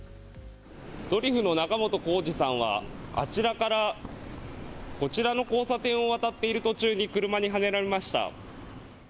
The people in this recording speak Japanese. ドリフの仲本工事さんはあちらからこちらの交差点を渡っている途中に車にはねられました。